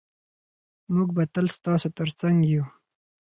موږ به تل ستاسو ترڅنګ یو.